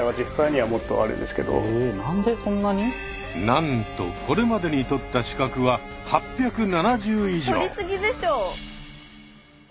なんとこれまでに取った資格は８７０以上。